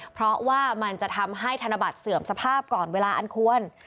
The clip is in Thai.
เพราะว่ามันจะทำให้ธนบัตรเสื่อมสภาพก่อนเวลาอันควร